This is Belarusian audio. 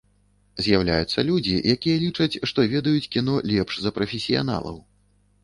З'яўляюцца людзі, якія лічаць, што ведаюць кіно лепш за прафесіяналаў.